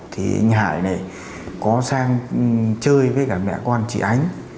thì anh hải này có sang chơi với cả mẹ con chị ánh